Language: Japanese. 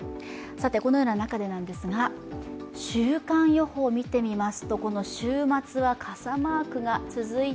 このような中で、週間予報を見てみます。